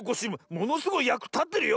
ものすごいやくたってるよ